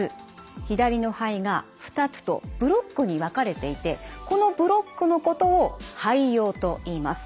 左の肺が２つとブロックに分かれていてこのブロックのことを肺葉といいます。